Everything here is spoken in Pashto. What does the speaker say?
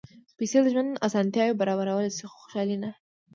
پېسې د ژوند اسانتیاوې برابرولی شي، خو خوشالي نه.